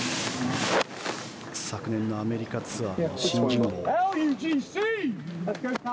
昨年のアメリカツアーの新人王。